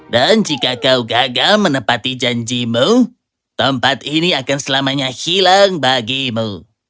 dan jika kau gagal menepati janjimu tempat ini akan selamanya hilang bagimu